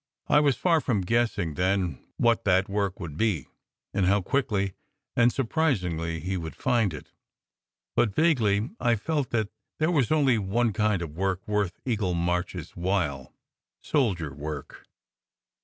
I was far from guessing then what that work would be, and how quickly and surprisingly he would find it; but vaguely I felt that 176 SECRET HISTORY 177 there was only one kind of work worth Eagle March s while : soldier work.